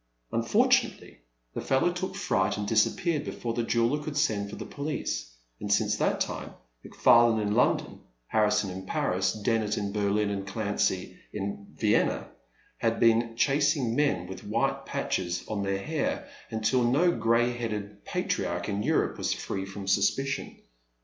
Unfortunately the fellow took fright and disappeared before the jeweller could send for the police, and since that time, McFarlane in I/>ndon, Harrison in Paris, Dennet in Berlin, and Clancy in Vienna, had been chas ing men with white patches on their hair until no gray headed patriarch in Europe was free from suspicion.